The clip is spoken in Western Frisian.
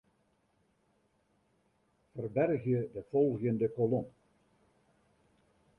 Ferbergje de folgjende kolom.